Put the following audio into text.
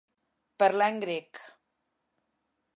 Parlar en grec.